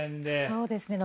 そうですね。